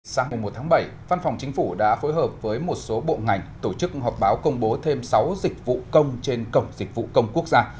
sáng một tháng bảy văn phòng chính phủ đã phối hợp với một số bộ ngành tổ chức họp báo công bố thêm sáu dịch vụ công trên cổng dịch vụ công quốc gia